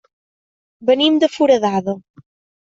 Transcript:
Venim de Foradada.